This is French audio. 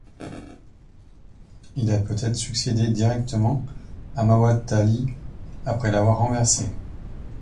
Il a peut-être succédé directement à Muwatalli, après l'avoir renversé.